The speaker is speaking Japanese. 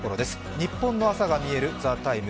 「ニッポンの空がみえるＴＨＥＴＩＭＥ，」